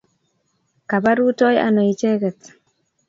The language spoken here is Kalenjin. Kapa rutoi ano icheket?